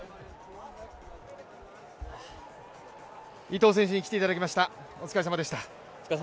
伊藤選手に来ていただきました、お疲れさまでした。